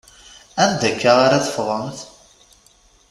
Anda akka ara teffɣemt?